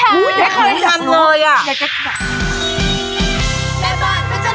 อย่าคอยกันเลยอะ